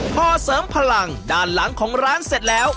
พอเสริมพลังด้านหลังของร้านเสร็จแล้ว